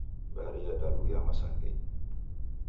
Mbari yadaluya msangaghenyi.